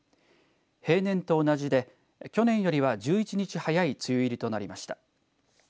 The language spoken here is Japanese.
平年と同じで去年よりは１１日早い梅雨入りとなりました。